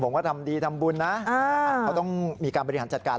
ว่าทำดีทำบุญนะเขาต้องมีการบริหารจัดการ